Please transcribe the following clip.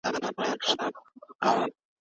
لښکري راسي د ملالیو